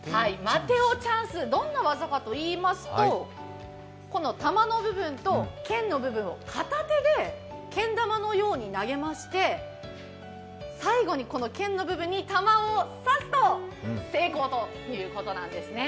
どんな技かといいますと、玉の部分と剣の部分を片手でお手玉のように投げまして最後にこの剣の部分に玉を刺すと成功ということなんですね。